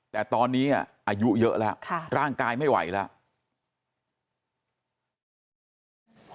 แต่ตอนนี้อายุเยอะแล้วร่างกายไม่ไหวแล้ว